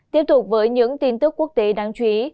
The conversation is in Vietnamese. tiếp tục với những tin tức quốc tế đáng chú ý